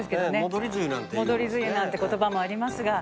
戻り梅雨なんて言葉もありますが。